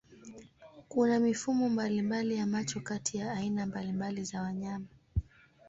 Kuna mifumo mbalimbali ya macho kati ya aina mbalimbali za wanyama.